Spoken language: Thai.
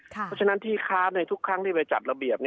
เพราะฉะนั้นที่ค้าในทุกครั้งที่ไปจัดระเบียบ